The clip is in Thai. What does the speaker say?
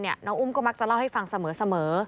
น้องอุ้มก็มักจะเล่าให้ฟังเสมอ